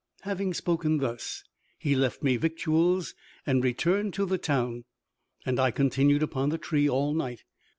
Having spoken thus, he left me victuals, and returned to the town, and I continued upon the tree all night.